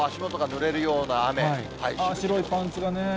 白いパンツがね。